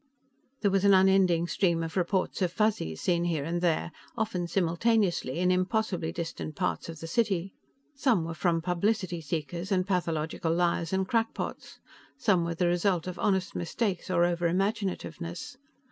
There was an unending stream of reports of Fuzzies seen here and there, often simultaneously in impossibly distant parts of the city. Some were from publicity seekers and pathological liars and crackpots; some were the result of honest mistakes or overimaginativeness.